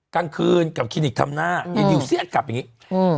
กลางคืนกับคลินิกทำหน้าอีดิวเสี้ยกลับอย่างงี้อืม